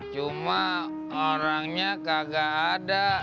cuma orangnya kagak ada